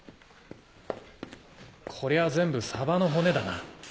こりゃあ全部サバの骨だな。